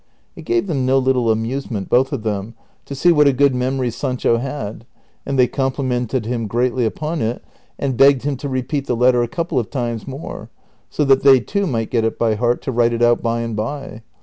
" It gave them no little amusement, both of them, to see what a good memory Sancho had, and they complimented him greatly upon it, and l)egged him to repeat the letter a couple of times more, so that they too might get it by heart to Avrite it out by and by.